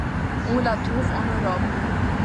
On la trouve en Europe.